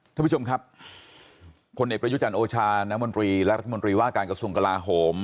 ท่านผู้ชมครับพลเอกประยุจันทร์โอชาน้ำมนตรีและรัฐมนตรีว่าการกระทรวงกลาโหม